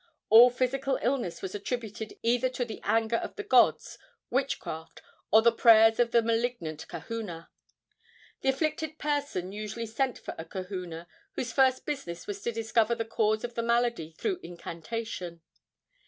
All physical illness was attributed either to the anger of the gods, witchcraft, or the prayers of a malignant kahuna. The afflicted person usually sent for a kahuna, whose first business was to discover the cause of the malady through incantation.